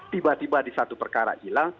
tiba tiba di satu perkara hilang